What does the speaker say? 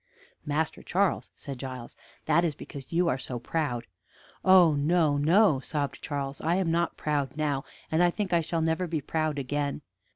"Master Charles," said Giles, "that is because you are so proud." "Oh no, no!" sobbed Charles, "I am not proud now, and I think I shall never be proud again."